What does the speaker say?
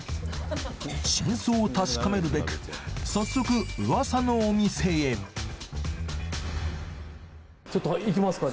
真相を確かめるべく早速噂のお店へちょっと行きますか？